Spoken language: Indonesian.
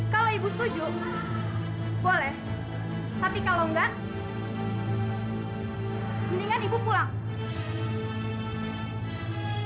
kalau ibu setuju boleh tapi kalau enggak mendingan ibu pulang